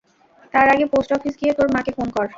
তার আগে post office গিয়ে তোর মাকে ফোন কর।